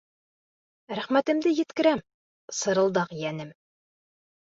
— Рәхмәтемде еткерәм, Сырылдаҡ йәнем!